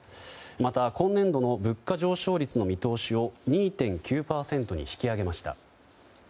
また、今年度の物価上昇率の見通しを２．９％に引き上げました。